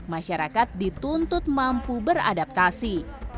masyarakat dituntut mampu beradaptasi